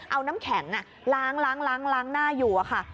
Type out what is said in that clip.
เอาน้ำแข็งล้างหน้าอยู่อะค่ะ